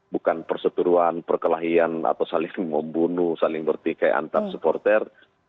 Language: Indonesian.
bukan perseturuan perkelahian atau saling membunuh saling bertikai antar supporter